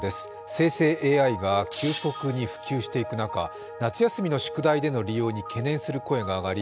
生成ＡＩが急速に普及していく中夏休みの宿題での利用に懸念する声が上がり